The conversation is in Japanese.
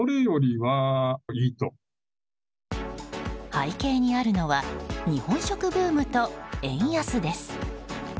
背景にあるのは日本食ブームと円安です。